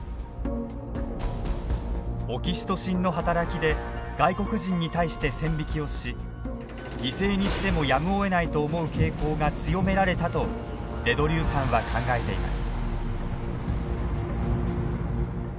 オキシトシンの働きで外国人に対して線引きをし犠牲にしてもやむをえないと思う傾向が強められたとデ・ドリューさんは考えています。